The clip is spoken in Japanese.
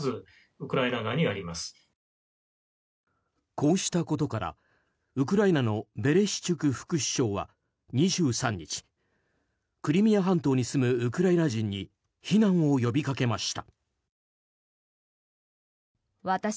こうしたことからウクライナのベレシチュク副首相は２３日、クリミア半島に住むウクライナ人に避難を呼びかけました。